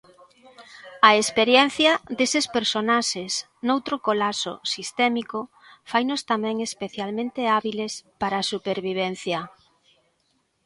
A experiencia deses personaxes noutro colapso sistémico fainos tamén especialmente hábiles para a supervivencia.